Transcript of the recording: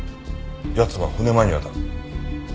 奴は骨マニアだ。